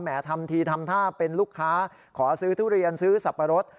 ทำทีทำท่าเป็นลูกค้าขอซื้อทุเรียนซื้อสับปะรด